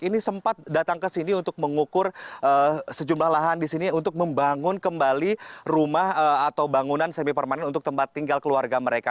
ini sempat datang ke sini untuk mengukur sejumlah lahan di sini untuk membangun kembali rumah atau bangunan semi permanen untuk tempat tinggal keluarga mereka